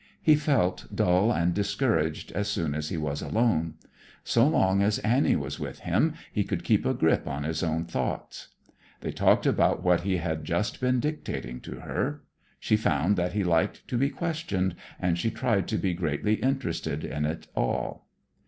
He felt dull and discouraged as soon as he was alone. So long as Annie was with him, he could keep a grip on his own thoughts. They talked about what he had just been dictating to her. She found that he liked to be questioned, and she tried to be greatly interested in it all.